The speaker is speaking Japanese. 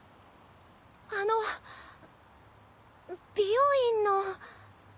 あの美容院の。